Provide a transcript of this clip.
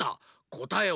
こたえは。